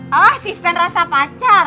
oh asisten rasa pacar